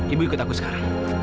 ibu ikut aku sekarang